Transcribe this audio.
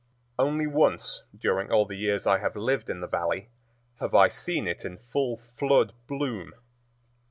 Only once during all the years I have lived in the Valley have I seen it in full flood bloom.